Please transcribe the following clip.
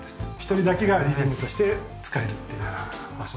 １人だけがリビングとして使えるっていうまあ